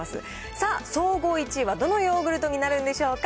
さあ、総合１位はどのヨーグルトになるんでしょうか。